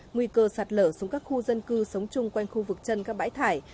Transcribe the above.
nguy cơ sạt lở xuống các khu dân cư sống chung quanh khu vực chân các bãi thải